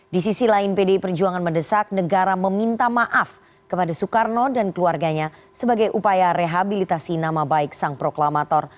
di sisi lain pdi perjuangan mendesak negara meminta maaf kepada soekarno dan keluarganya sebagai upaya rehabilitasi nama baik sang proklamator